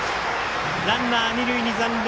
ランナー、二塁に残塁。